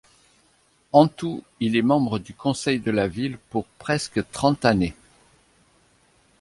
En tout, il est membre du Conseil de la ville pour presque trente années.